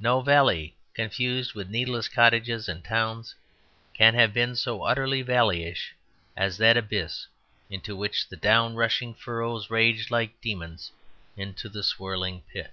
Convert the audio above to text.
No valley, confused with needless cottages and towns, can have been so utterly valleyish as that abyss into which the down rushing furrows raged like demons into the swirling pit.